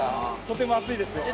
とても熱いですよ。